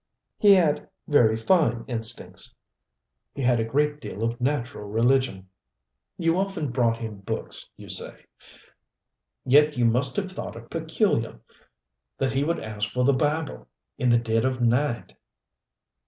"He had very fine instincts. He had a great deal of natural religion." "You often brought him books, you say. Yet you must have thought it peculiar that he would ask for the Bible in the dead of night."